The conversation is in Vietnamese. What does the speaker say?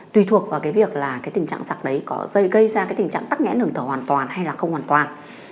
tùy thuộc vào việc tình trạng sặc đấy có gây ra tình trạng tắt nhẽn đường thở hoàn toàn hay không hoàn toàn